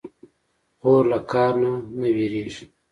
خور له کار نه نه وېرېږي.